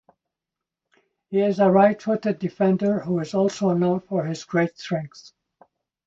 He is a right-footed defender who is also known for his great strength.